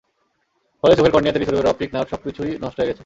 ফলে চোখের কর্নিয়া থেকে শুরু করে অপটিক নার্ভ সবকিছু নষ্ট হয়ে গেছে।